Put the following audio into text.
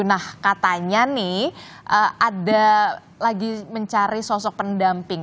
nah katanya nih ada lagi mencari sosok pendamping